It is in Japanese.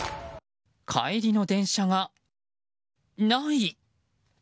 帰りの電車がない！